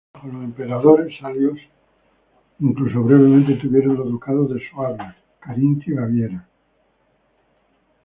Bajo los emperadores salios, incluso brevemente tuvieron los ducados de Suabia, Carintia y Baviera.